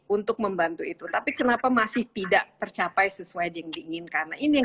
untuk membantu itu tapi kenapa masih tidak tercapai sesuai dengan dingin karena ini yang